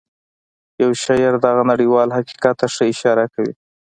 يو شاعر دغه نړيوال حقيقت ته ښه اشاره کوي.